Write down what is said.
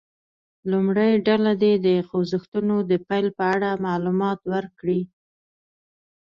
لومړۍ ډله دې د خوځښتونو د پیل په اړه معلومات ورکړي.